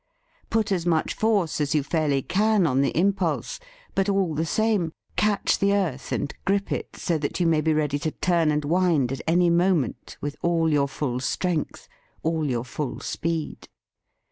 Put as much force as you fairly can on the im pulse ; but, all the same, catch the earth, and grip it so that you may be ready to turn and wind at any moment with all your full strength, all your full speed.